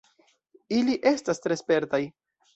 Ili estas tre spertaj.